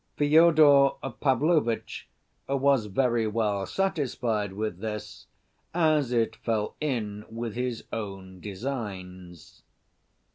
Fyodor Pavlovitch was very well satisfied with this, as it fell in with his own designs.